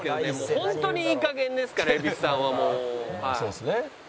ホントにいい加減ですから蛭子さんはもう。